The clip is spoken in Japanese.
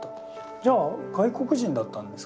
じゃあ外国人だったんですか？